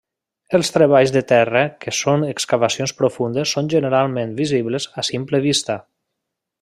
Els treballs de terra que són excavacions profundes són generalment visibles a simple vista.